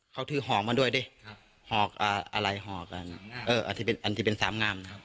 เขาถือหอกมาด้วยดิหอกอะไรหอกกันเอออันที่เป็นอันที่เป็นสามงามนะครับ